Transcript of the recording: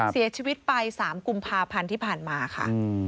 เสียชีวิตไป๓กุมภาพันธ์ที่ผ่านมาค่ะ